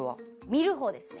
見る方ですね。